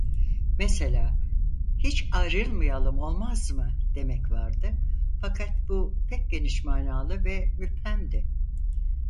Mesela: "Hiç ayrılmayalım, olmaz mı?" demek vardı, fakat bu pek geniş manalı ve müphemdi.